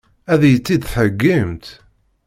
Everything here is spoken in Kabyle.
Ad iyi-tt-id-theggimt?